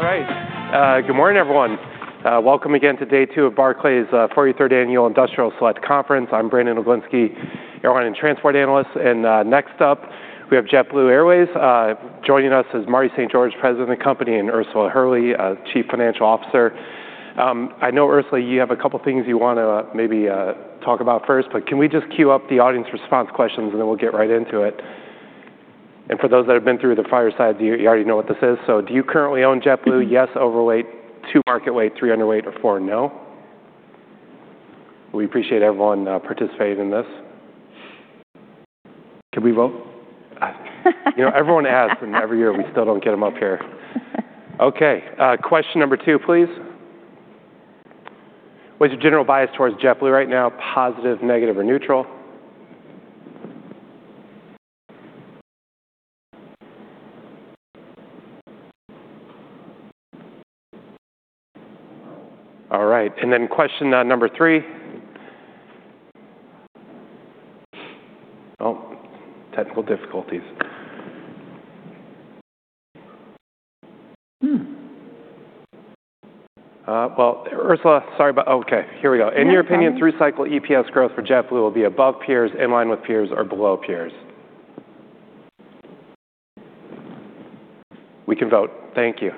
All right. Good morning, everyone. Welcome again to day 2 of Barclays' 43rd Annual Industrial Select Conference. I'm Brandon Oglenski, Airline and Transport Analyst, and, next up, we have JetBlue Airways. Joining us is Marty St. George, President of the company, and Ursula Hurley, Chief Financial Officer. I know, Ursula, you have a couple things you want to maybe talk about first, but can we just queue up the audience response questions, and then we'll get right into it? For those that have been through the fireside, you already know what this is. Do you currently own JetBlue? Yes, overweight, 2, market weight, 3, underweight, or 4, no. We appreciate everyone, participating in this. Can we vote? You know, everyone asks, and every year, we still don't get them up here. Okay, question number two, please. What is your general bias towards JetBlue right now? Positive, negative, or neutral? All right, and then question number three. Oh, technical difficulties. Well, Ursula, sorry about... Okay, here we go. Yeah, it's fine. In your opinion, through-cycle EPS growth for JetBlue will be above peers, in line with peers, or below peers? We can vote. Thank you.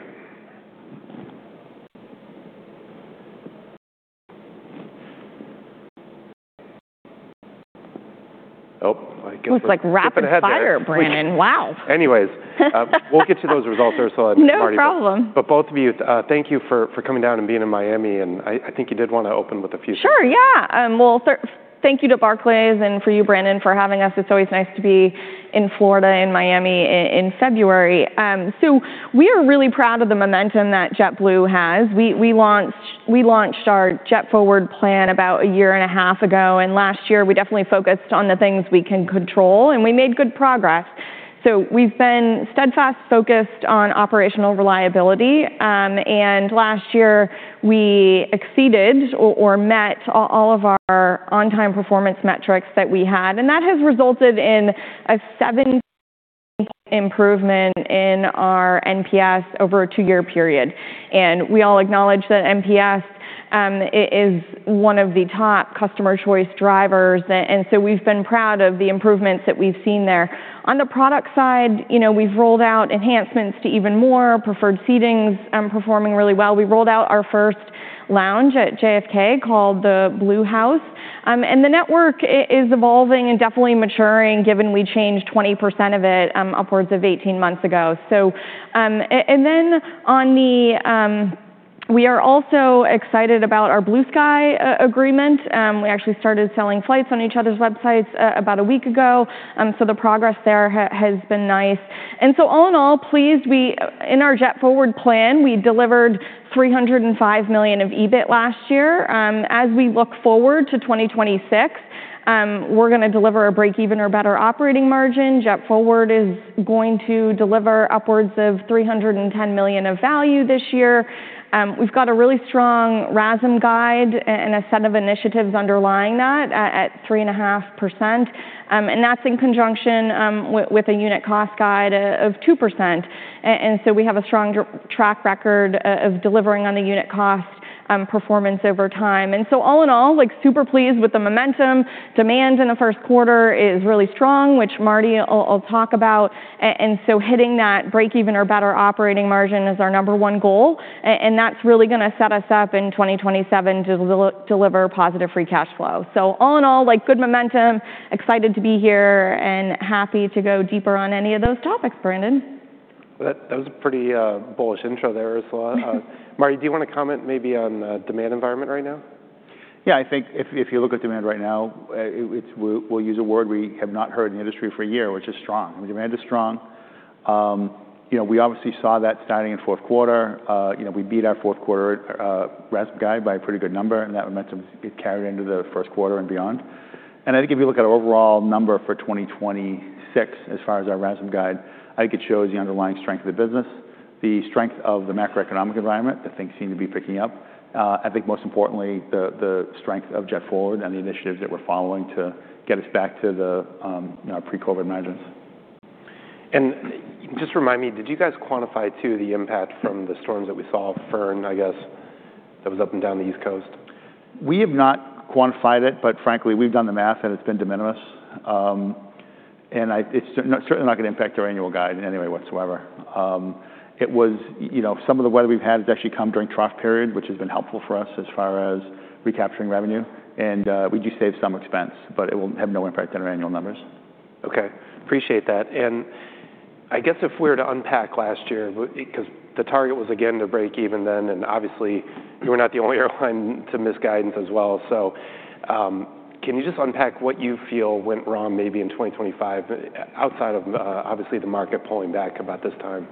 Oh, I guess- It's like rapid fire- Getting ahead there. Brandon, wow! Anyways, we'll get to those results, Ursula and Marty. No problem. Both of you, thank you for coming down and being in Miami, and I think you did want to open with a few things. Sure, yeah. Well, thank you to Barclays and for you, Brandon, for having us. It's always nice to be in Florida, in Miami in February. So we are really proud of the momentum that JetBlue has. We launched our JetForward plan about a year and a half ago, and last year, we definitely focused on the things we can control, and we made good progress. So we've been steadfast focused on operational reliability, and last year, we exceeded or met all of our on-time performance metrics that we had, and that has resulted in a 7 improvement in our NPS over a two-year period. And we all acknowledge that NPS is one of the top customer choice drivers, and so we've been proud of the improvements that we've seen there. On the product side, you know, we've rolled out enhancements to even more preferred seatings, performing really well. We rolled out our first lounge at JFK called the Blue House. And the network is evolving and definitely maturing, given we changed 20% of it, upwards of 18 months ago. So, and then on the, we are also excited about our Blue Sky agreement. We actually started selling flights on each other's websites about a week ago, so the progress there has been nice. And so all in all, pleased. In our JetForward plan, we delivered $305 million of EBIT last year. As we look forward to 2026, we're gonna deliver a break-even or better operating margin. JetForward is going to deliver upwards of $310 million of value this year. We've got a really strong RASM guide and a set of initiatives underlying that at 3.5%, and that's in conjunction with a unit cost guide of 2%. And so we have a strong track record of delivering on the unit cost performance over time. And so all in all, like, super pleased with the momentum. Demand in the first quarter is really strong, which Marty will talk about, and so hitting that break-even or better operating margin is our number one goal, and that's really gonna set us up in 2027 to deliver positive free cash flow. All in all, like, good momentum, excited to be here, and happy to go deeper on any of those topics, Brandon. That, that was a pretty, bullish intro there, Ursula. Marty, do you want to comment maybe on the demand environment right now? Yeah, I think if you look at demand right now, we'll use a word we have not heard in the industry for a year, which is strong. The demand is strong. You know, we obviously saw that starting in fourth quarter. You know, we beat our fourth quarter RASM guide by a pretty good number, and that momentum carried into the first quarter and beyond. And I think if you look at our overall number for 2026, as far as our RASM guide, I think it shows the underlying strength of the business, the strength of the macroeconomic environment, that things seem to be picking up. I think most importantly, the strength of JetForward and the initiatives that we're following to get us back to the, you know, pre-COVID margins. Just remind me, did you guys quantify, too, the impact from the storms that we saw, Fern, I guess, that was up and down the East Coast? We have not quantified it, but frankly, we've done the math, and it's been de minimis. It's certainly not gonna impact our annual guide in any way whatsoever. It was... You know, some of the weather we've had has actually come during trough period, which has been helpful for us as far as recapturing revenue, and we do save some expense, but it will have no impact on our annual numbers. Okay, appreciate that. I guess if we were to unpack last year, because the target was again to break even then, and obviously, you were not the only airline to miss guidance as well. So, can you just unpack what you feel went wrong maybe in 2025, outside of, obviously, the market pulling back about this time?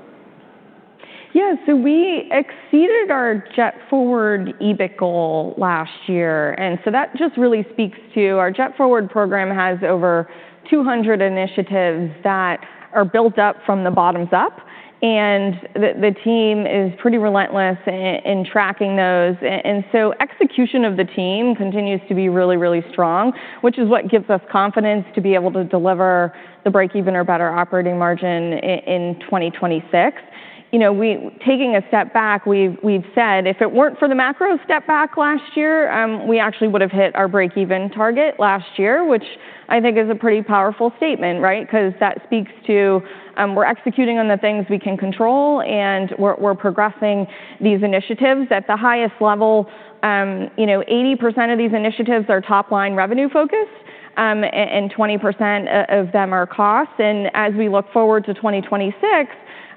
Yeah, so we exceeded our JetForward EBIT goal last year, and so that just really speaks to our JetForward program has over 200 initiatives that are built up from the bottoms up, and the team is pretty relentless in tracking those. And so execution of the team continues to be really, really strong, which is what gives us confidence to be able to deliver the break-even or better operating margin in 2026... You know, we, taking a step back, we've said if it weren't for the macro step back last year, we actually would have hit our breakeven target last year, which I think is a pretty powerful statement, right? Because that speaks to, we're executing on the things we can control, and we're progressing these initiatives at the highest level. You know, 80% of these initiatives are top-line revenue focused, and 20% of them are cost. And as we look forward to 2026,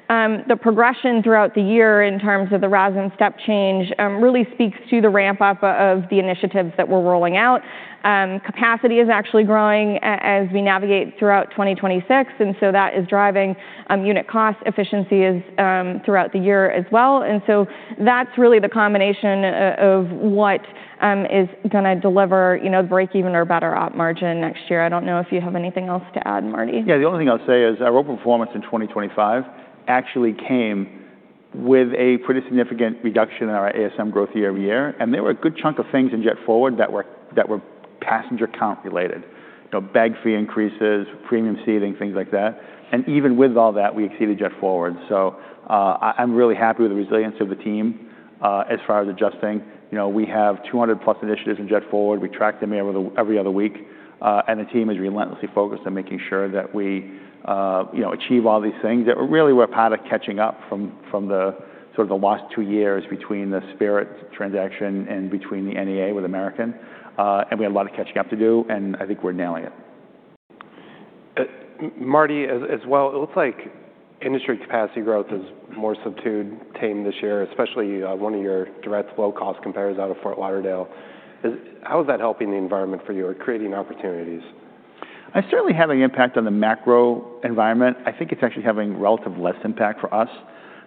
the progression throughout the year in terms of the RASM step change really speaks to the ramp-up of the initiatives that we're rolling out. Capacity is actually growing as we navigate throughout 2026, and so that is driving unit cost efficiency throughout the year as well. And so that's really the combination of what is gonna deliver, you know, breakeven or better op margin next year. I don't know if you have anything else to add, Marty? Yeah, the only thing I'll say is our overall performance in 2025 actually came with a pretty significant reduction in our ASM growth year-over-year, and there were a good chunk of things in JetForward that were passenger count related. You know, bag fee increases, premium seating, things like that. And even with all that, we exceeded JetForward. So, I'm really happy with the resilience of the team as far as adjusting. You know, we have 200+ initiatives in JetForward. We track them every other week, and the team is relentlessly focused on making sure that we achieve all these things. That really, we're kind of catching up from the sort of the last two years between the Spirit transaction and between the NEA with American, and we have a lot of catching up to do, and I think we're nailing it. Marty, as well, it looks like industry capacity growth is more subdued, tame this year, especially one of your direct low-cost competitors out of Fort Lauderdale. How is that helping the environment for you or creating opportunities? It's certainly having an impact on the macro environment. I think it's actually having relative less impact for us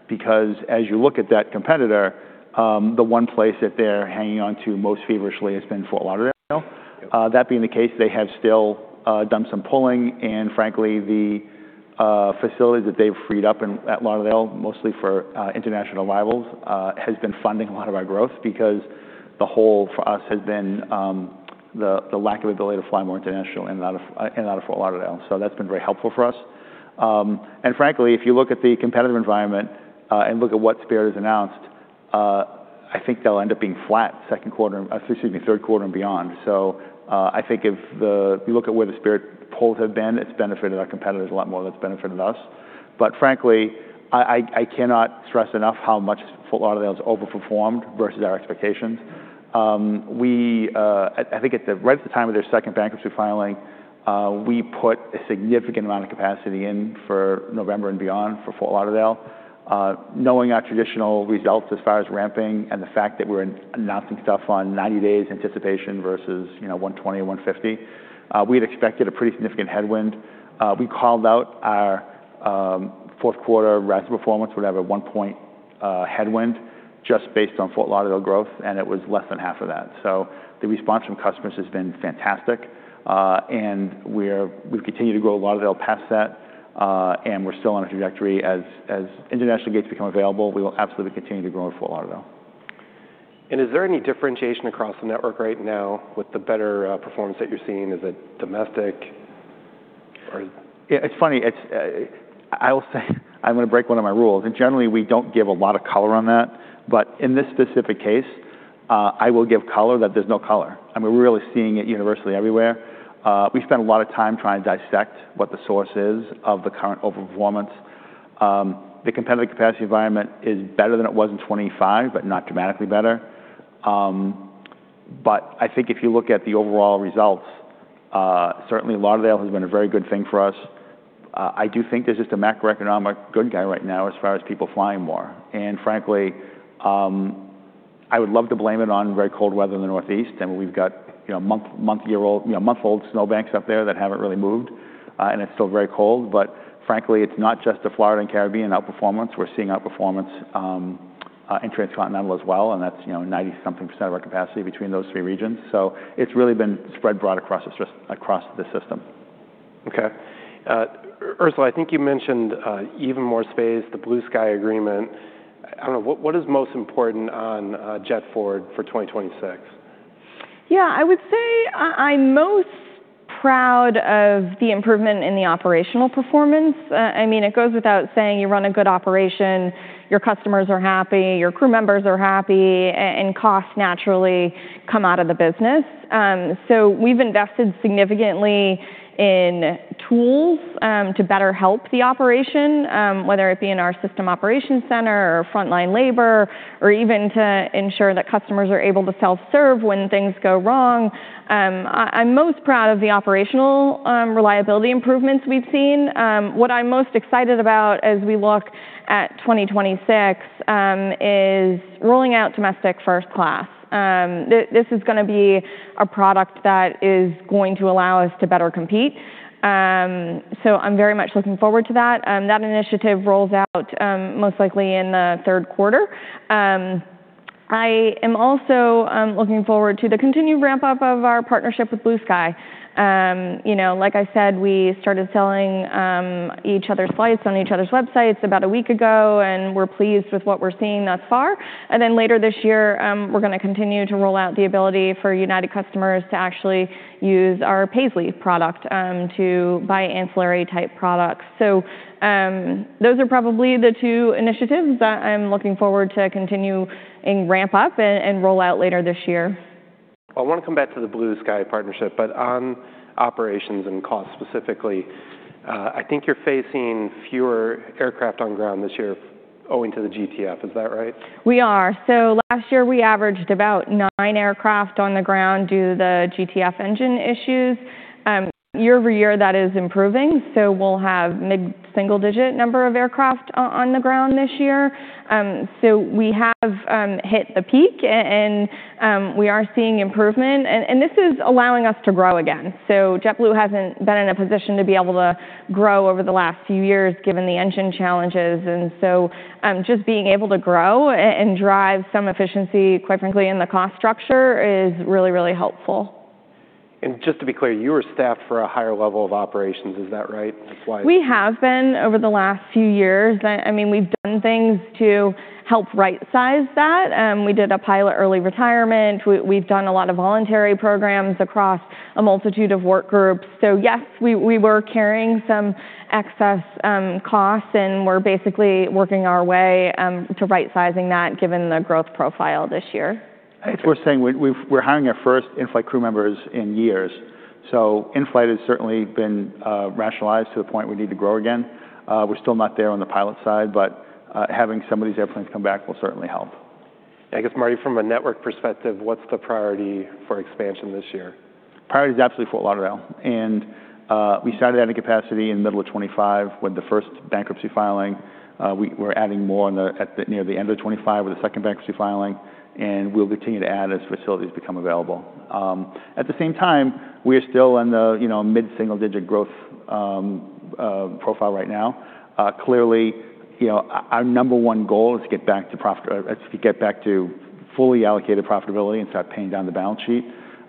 because as you look at that competitor, the one place that they're hanging on to most feverishly has been Fort Lauderdale. Yep. That being the case, they have still done some pulling, and frankly, the facilities that they've freed up in Fort Lauderdale, mostly for international arrivals, has been funding a lot of our growth because the hole for us has been the lack of ability to fly more international in and out of Fort Lauderdale. So that's been very helpful for us. And frankly, if you look at the competitive environment and look at what Spirit has announced, I think they'll end up being flat second quarter, excuse me, third quarter and beyond. So I think if you look at where the Spirit pulls have been, it's benefited our competitors a lot more than it's benefited us. But frankly, I cannot stress enough how much Fort Lauderdale has overperformed versus our expectations. We think at the right time of their second bankruptcy filing, we put a significant amount of capacity in for November and beyond for Fort Lauderdale. Knowing our traditional results as far as ramping and the fact that we're announcing stuff on 90 days anticipation versus, you know, 120, 150, we'd expected a pretty significant headwind. We called out our fourth quarter RASM performance would have a 1-point headwind just based on Fort Lauderdale growth, and it was less than half of that. So the response from customers has been fantastic, and we've continued to grow Lauderdale past that, and we're still on a trajectory as international gates become available, we will absolutely continue to grow in Fort Lauderdale. Is there any differentiation across the network right now with the better performance that you're seeing? Is it domestic or? Yeah, it's funny. It's, I will say, I'm gonna break one of my rules, and generally, we don't give a lot of color on that, but in this specific case, I will give color that there's no color, and we're really seeing it universally everywhere. We spent a lot of time trying to dissect what the source is of the current overperformance. The competitive capacity environment is better than it was in 2025, but not dramatically better. But I think if you look at the overall results, certainly Lauderdale has been a very good thing for us. I do think there's just a macroeconomic good guy right now as far as people flying more. And frankly, I would love to blame it on very cold weather in the Northeast, and we've got, you know, month-old snowbanks up there that haven't really moved, and it's still very cold. But frankly, it's not just the Florida and Caribbean outperformance. We're seeing outperformance in transcontinental as well, and that's, you know, 90-something% of our capacity between those three regions. So it's really been spread broad across the system. Okay. Ursula, I think you mentioned Even More Space, the Blue Sky agreement. I don't know, what, what is most important on JetForward for 2026? Yeah, I would say I'm most proud of the improvement in the operational performance. I mean, it goes without saying, you run a good operation, your customers are happy, your crew members are happy, and costs naturally come out of the business. So we've invested significantly in tools to better help the operation, whether it be in our system operation center or frontline labor, or even to ensure that customers are able to self-serve when things go wrong. I'm most proud of the operational reliability improvements we've seen. What I'm most excited about as we look at 2026 is rolling out domestic first class. This is gonna be a product that is going to allow us to better compete. So I'm very much looking forward to that. That initiative rolls out, most likely in the third quarter. I am also looking forward to the continued ramp-up of our partnership with Blue Sky. You know, like I said, we started selling each other's flights on each other's websites about a week ago, and we're pleased with what we're seeing thus far. And then later this year, we're gonna continue to roll out the ability for United customers to actually use our Paisly product to buy ancillary-type products. So, those are probably the two initiatives that I'm looking forward to continue and ramp up and roll out later this year. ... I want to come back to the Blue Sky partnership, but on operations and costs specifically, I think you're facing fewer aircraft on ground this year owing to the GTF. Is that right? We are. So last year, we averaged about nine aircraft on the ground due to the GTF engine issues. Year-over-year, that is improving, so we'll have mid-single-digit number of aircraft on the ground this year. So we have hit the peak, and we are seeing improvement, and this is allowing us to grow again. So JetBlue hasn't been in a position to be able to grow over the last few years, given the engine challenges, and so, just being able to grow and drive some efficiency, quite frankly, in the cost structure is really, really helpful. Just to be clear, you were staffed for a higher level of operations, is that right? That's why- We have been over the last few years. I mean, we've done things to help rightsize that. We did a pilot early retirement. We've done a lot of voluntary programs across a multitude of work groups. So yes, we were carrying some excess costs, and we're basically working our way to rightsizing that, given the growth profile this year. I think we're saying we're hiring our first in-flight crew members in years. So in-flight has certainly been rationalized to the point we need to grow again. We're still not there on the pilot side, but having some of these airplanes come back will certainly help. I guess, Marty, from a network perspective, what's the priority for expansion this year? Priority is absolutely Fort Lauderdale, and we started adding capacity in the middle of 2025 when the first bankruptcy filing. We're adding more near the end of 2025 with the second bankruptcy filing, and we'll continue to add as facilities become available. At the same time, we are still in the, you know, mid-single-digit growth profile right now. Clearly, you know, our number one goal is to get back to fully allocated profitability and start paying down the balance sheet.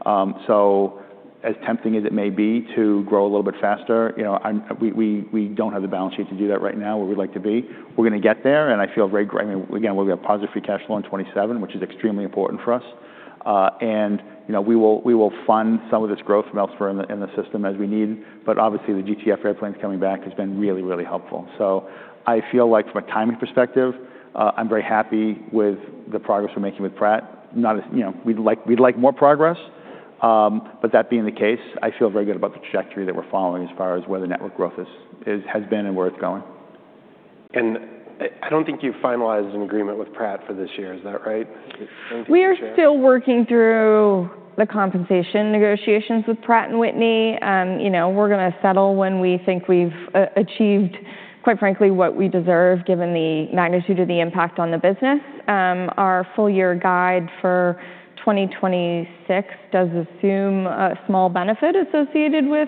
So as tempting as it may be to grow a little bit faster, you know, we don't have the balance sheet to do that right now where we'd like to be. We're going to get there, and I feel very great. I mean, again, we'll be at positive free cash flow in 2027, which is extremely important for us. And, you know, we will, we will fund some of this growth from elsewhere in the, in the system as we need, but obviously, the GTF airplanes coming back has been really, really helpful. So I feel like from a timing perspective, I'm very happy with the progress we're making with Pratt. Not as... You know, we'd like, we'd like more progress, but that being the case, I feel very good about the trajectory that we're following as far as where the network growth is, is, has been and where it's going. I don't think you've finalized an agreement with Pratt for this year. Is that right? We are still working through the compensation negotiations with Pratt & Whitney. You know, we're going to settle when we think we've achieved, quite frankly, what we deserve, given the magnitude of the impact on the business. Our full year guide for 2026 does assume a small benefit associated with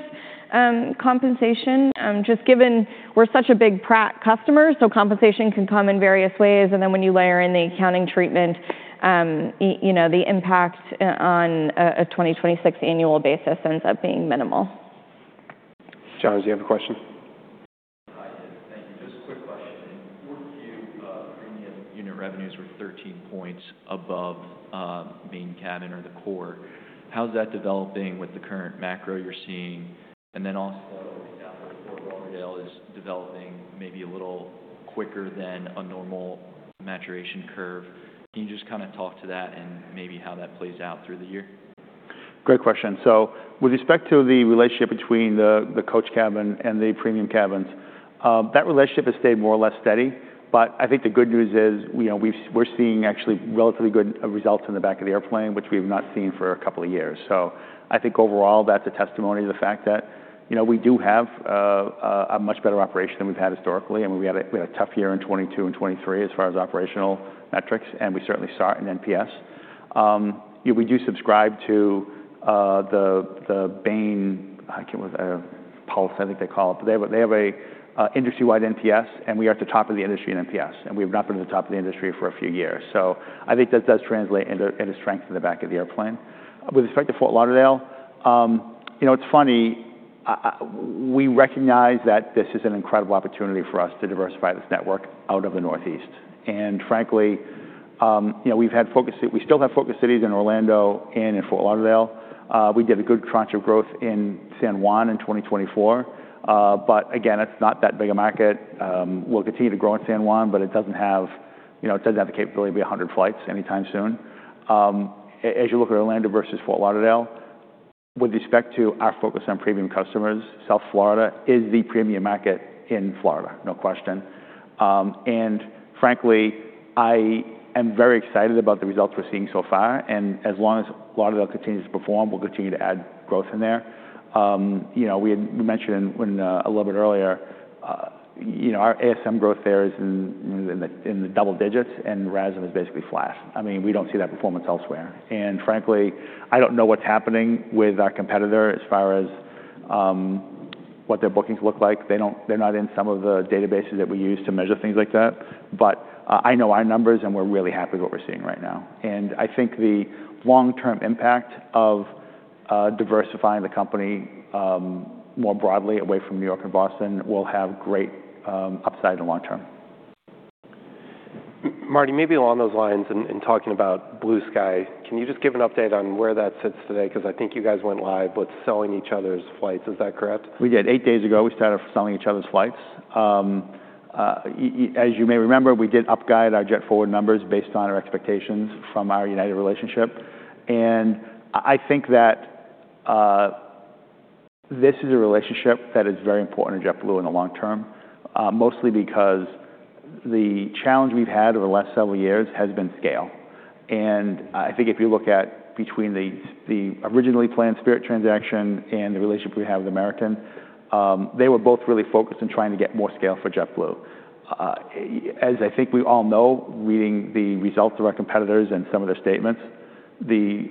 compensation. Just given we're such a big Pratt customer, so compensation can come in various ways, and then when you layer in the accounting treatment, you know, the impact on a 2026 annual basis ends up being minimal. John, do you have a question? Hi, thank you. Just a quick question. In fourth Q, premium unit revenues were 13 points above, main cabin or the core. How's that developing with the current macro you're seeing? And then also, Fort Lauderdale is developing maybe a little quicker than a normal maturation curve. Can you just kind of talk to that and maybe how that plays out through the year? Great question. So with respect to the relationship between the coach cabin and the premium cabins, that relationship has stayed more or less steady. But I think the good news is, you know, we're seeing actually relatively good results in the back of the airplane, which we have not seen for a couple of years. So I think overall, that's a testimony to the fact that, you know, we do have a much better operation than we've had historically, and we had a tough year in 2022 and 2023 as far as operational metrics, and we certainly saw it in NPS. We do subscribe to the Bain Pulse, I think they call it. They have an industry-wide NPS, and we are at the top of the industry in NPS, and we've not been at the top of the industry for a few years. So I think that does translate into strength in the back of the airplane. With respect to Fort Lauderdale, you know, it's funny, we recognize that this is an incredible opportunity for us to diversify this network out of the Northeast. And frankly, you know, we've had focus cities in Orlando and in Fort Lauderdale. We get a good crunch of growth in San Juan in 2024, but again, it's not that big a market. We'll continue to grow in San Juan, but it doesn't have, you know, it doesn't have the capability to be 100 flights anytime soon. As you look at Orlando versus Fort Lauderdale, with respect to our focus on premium customers, South Florida is the premium market in Florida, no question. And frankly, I am very excited about the results we're seeing so far, and as long as Lauderdale continues to perform, we'll continue to add growth in there. You know, we mentioned a little bit earlier, you know, our ASM growth there is in the double digits, and RASM is basically flat. I mean, we don't see that performance elsewhere. And frankly, I don't know what's happening with our competitor as far as what their bookings look like. They're not in some of the databases that we use to measure things like that. But I know our numbers, and we're really happy with what we're seeing right now. I think the long-term impact of diversifying the company more broadly away from New York and Boston will have great upside in the long term. Marty, maybe along those lines and, and talking about Blue Sky, can you just give an update on where that sits today? Because I think you guys went live with selling each other's flights, is that correct? We did. 8 days ago, we started selling each other's flights. As you may remember, we did upguide our JetForward numbers based on our expectations from our United relationship. And I think that this is a relationship that is very important to JetBlue in the long term, mostly because the challenge we've had over the last several years has been scale. And I think if you look at between the originally planned Spirit transaction and the relationship we have with American, they were both really focused on trying to get more scale for JetBlue. As I think we all know, reading the results of our competitors and some of their statements, the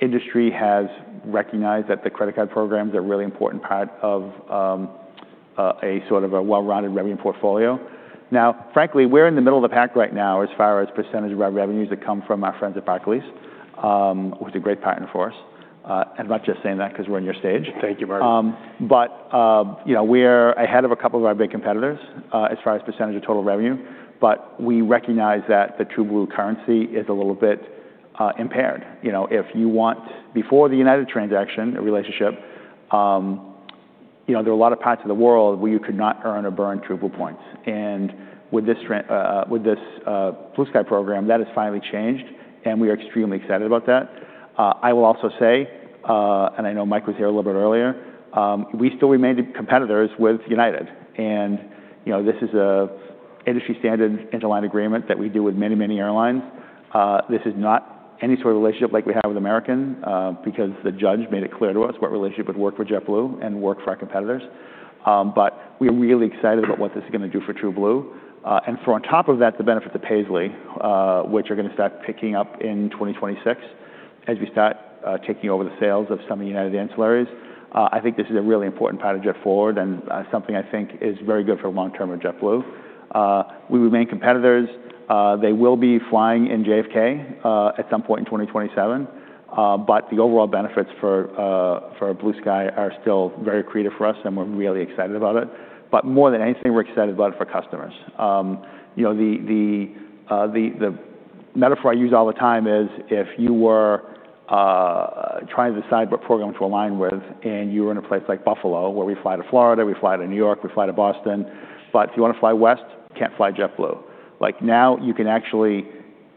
industry has recognized that the credit card programs are a really important part of a sort of a well-rounded revenue portfolio. Now, frankly, we're in the middle of the pack right now as far as percentage of our revenues that come from our friends at Barclays, who's a great partner for us. And I'm not just saying that 'cause we're on your stage. Thank you, Marty. But, you know, we're ahead of a couple of our big competitors, as far as percentage of total revenue, but we recognize that the TrueBlue currency is a little bit impaired. You know, before the United transaction or relationship, you know, there were a lot of parts of the world where you could not earn or burn TrueBlue points. And with this Blue Sky program, that has finally changed, and we are extremely excited about that. I will also say, and I know Mike was here a little bit earlier, we still remain the competitors with United. And, you know, this is an industry-standard interline agreement that we do with many, many airlines. This is not any sort of relationship like we have with American, because the judge made it clear to us what relationship would work for JetBlue and work for our competitors. But we are really excited about what this is gonna do for TrueBlue. And, on top of that, the benefit to Paisly, which are gonna start picking up in 2026 as we start taking over the sales of some of United ancillaries. I think this is a really important part of JetForward and something I think is very good for the long term of JetBlue. We remain competitors. They will be flying in JFK at some point in 2027, but the overall benefits for Blue Sky are still very accretive for us, and we're really excited about it. But more than anything, we're excited about it for customers. You know, the metaphor I use all the time is, if you were trying to decide what program to align with, and you were in a place like Buffalo, where we fly to Florida, we fly to New York, we fly to Boston, but if you want to fly west, can't fly JetBlue. Like, now you can actually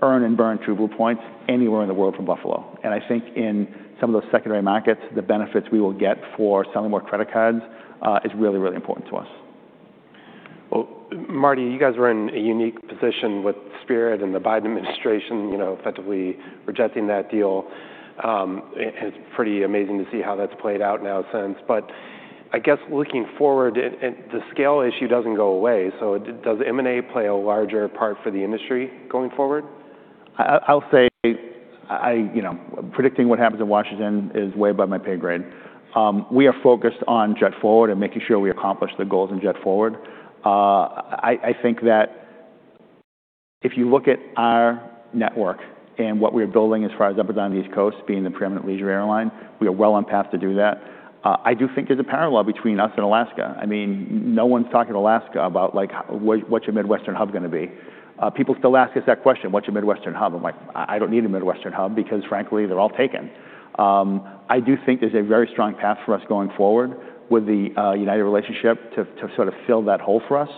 earn and burn TrueBlue points anywhere in the world from Buffalo. And I think in some of those secondary markets, the benefits we will get for selling more credit cards is really, really important to us. Well, Marty, you guys were in a unique position with Spirit and the Biden administration, you know, effectively rejecting that deal. It's pretty amazing to see how that's played out now since. But I guess looking forward, and the scale issue doesn't go away, so does M&A play a larger part for the industry going forward? I'll say I, you know, predicting what happens in Washington is way above my pay grade. We are focused on JetForward and making sure we accomplish the goals in JetForward. I think that if you look at our network and what we're building as far as up and down the East Coast, being the preeminent leisure airline, we are well on path to do that. I do think there's a parallel between us and Alaska. I mean, no one's talking to Alaska about, like, "H- what, what's your Midwestern hub gonna be?" People still ask us that question: "What's your Midwestern hub?" I'm like, "I don't need a Midwestern hub because, frankly, they're all taken." I do think there's a very strong path for us going forward with the United relationship to sort of fill that hole for us.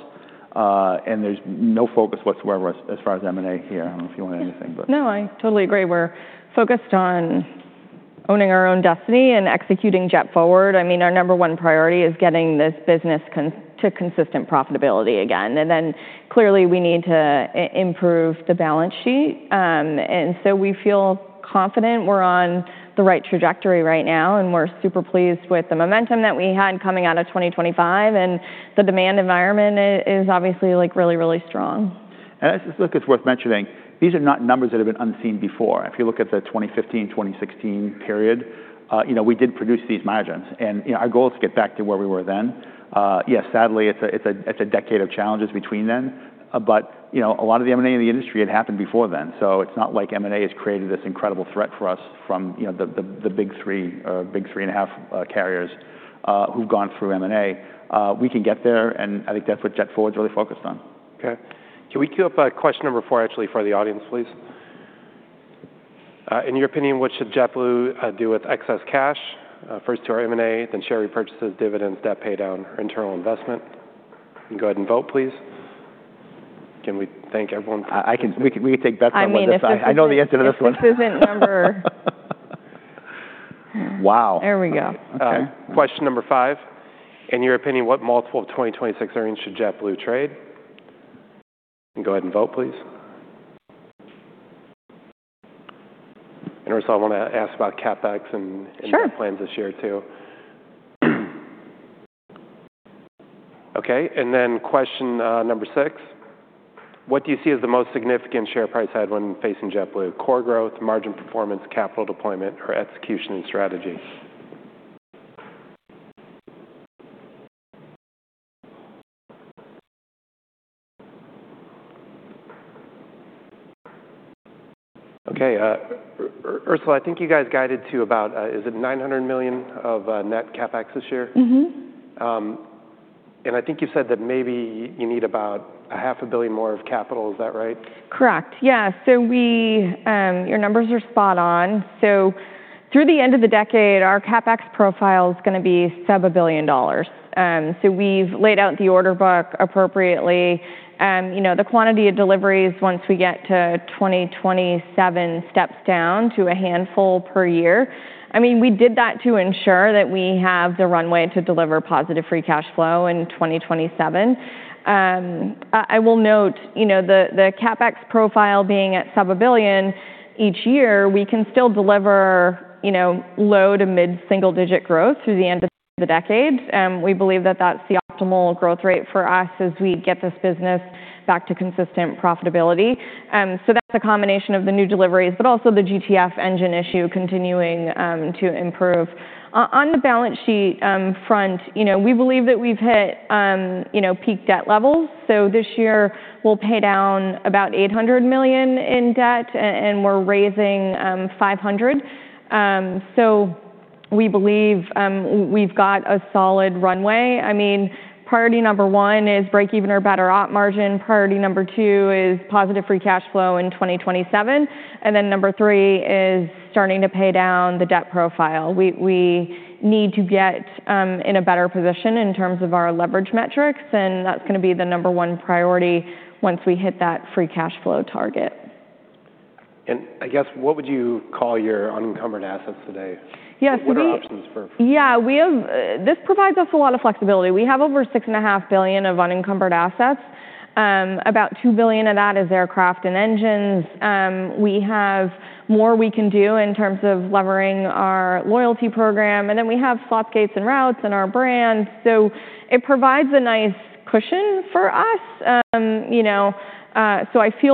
And there's no focus whatsoever as far as M&A here. I don't know if you want to add anything, but- No, I totally agree. We're focused on owning our own destiny and executing JetForward. I mean, our number one priority is getting this business to consistent profitability again. And then clearly, we need to improve the balance sheet. And so we feel confident we're on the right trajectory right now, and we're super pleased with the momentum that we had coming out of 2025, and the demand environment is obviously, like, really, really strong. I just think it's worth mentioning, these are not numbers that have been unseen before. If you look at the 2015, 2016 period, you know, we did produce these margins, and, you know, our goal is to get back to where we were then. Yes, sadly, it's a decade of challenges between then, but, you know, a lot of the M&A in the industry had happened before then. So it's not like M&A has created this incredible threat for us from, you know, the big three, big three and a half, carriers, who've gone through M&A. We can get there, and I think that's what JetForward is really focused on. Okay. Can we queue up question number four, actually, for the audience, please? In your opinion, what should JetBlue do with excess cash? First to our M&A, then share repurchases, dividends, debt paydown, or internal investment. You can go ahead and vote, please. Can we thank everyone? I can, we can take bets on this one. I mean, if this isn't- I know the answer to this one. If this isn't ever... Wow! There we go. Okay. Question number five: In your opinion, what multiple of 2026 earnings should JetBlue trade? You can go ahead and vote, please. And Ursula, I wanna ask about CapEx and- Sure... and plans this year, too. Okay, and then question number six: What do you see as the most significant share price headwind facing JetBlue? Core growth, margin performance, capital deployment, or execution and strategy? Okay, Ursula, I think you guys guided to about, is it $900 million of net CapEx this year? I think you said that maybe you need about $500 million more of capital. Is that right? Correct. Yeah, so we, your numbers are spot on. So, through the end of the decade, our CapEx profile is going to be sub $1 billion. So we've laid out the order book appropriately. You know, the quantity of deliveries, once we get to 2027, steps down to a handful per year. I mean, we did that to ensure that we have the runway to deliver positive free cash flow in 2027. I will note, you know, the CapEx profile being at sub $1 billion each year, we can still deliver, you know, low to mid-single-digit growth through the end of the decade. We believe that that's the optimal growth rate for us as we get this business back to consistent profitability. So that's a combination of the new deliveries, but also the GTF engine issue continuing to improve. On the balance sheet front, you know, we believe that we've hit, you know, peak debt levels. So this year we'll pay down about $800 million in debt, and we're raising $500 million. So we believe we've got a solid runway. I mean, priority number one is break even or better op margin. Priority number two is positive free cash flow in 2027, and then number three is starting to pay down the debt profile. We need to get in a better position in terms of our leverage metrics, and that's going to be the number one priority once we hit that free cash flow target. I guess, what would you call your unencumbered assets today? Yes, we- What are options for- Yeah, we have. This provides us a lot of flexibility. We have over $6.5 billion of unencumbered assets. About $2 billion of that is aircraft and engines. We have more we can do in terms of levering our loyalty program, and then we have slot gates and routes and our brands. So it provides a nice cushion for us. You know, so I feel-